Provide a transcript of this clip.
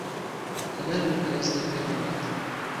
هەنار لە پایزدا پێدەگات.